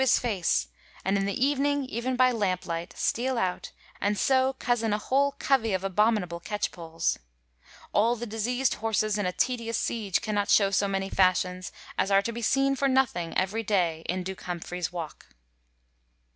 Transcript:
Arber, 1895, 73. 44 SHAKSPERE'S LONDON: PAUL'S WALK face ; and in the evening, even by lamp light, steal out, and so cozen a whole covey of abominable catchpoles. ... All the diseased horses in a tedious siege cannot shew so many fashions, as are to be seen for nothing, every day, in Duke Humphrey's Walk.'